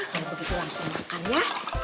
kalau begitu langsung makan ya